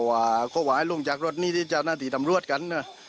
ว่าขอให้ลงจากรถนี่ที่เจ้าหน้าที่ตำรวจกันนะ